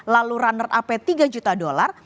lalu runner up tiga juta dolar